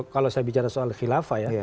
kalau saya bicara soal khilafah ya